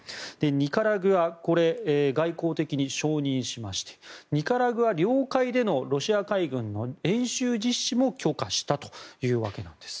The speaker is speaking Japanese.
ニカラグア、これ外交的に承認しましてニカラグア領海でのロシア海軍の演習実施も許可したというわけなんです。